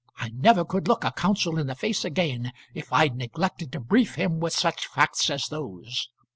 I never could look a counsel in the face again, if I'd neglected to brief him with such facts as those.